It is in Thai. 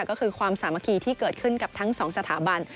ก็คือความสามัคคีที่เกิดขึ้นกับทั้งสองสถาบัน